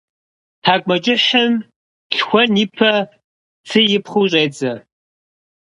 Тхьэкӏумэкӏыхьым лъхуэн ипэ цы ипхъыу щӏедзэ.